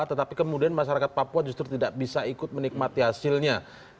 tetapi kemudian masyarakat papua justru tidak bisa ikut menikmati hasilnya